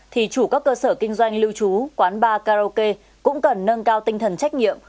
thì chủ các cơ sở kinh doanh lưu trú quán bar karaoke cũng cần nâng cao tinh thần trách nhiệm